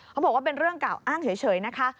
เขาบอกว่าเป็นเรื่องกล่าวอ้างเฉยนะคะ